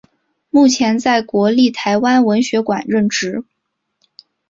目前在国立台湾文学馆任职。